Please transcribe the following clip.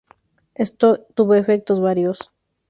Esto tuvo efectos varios.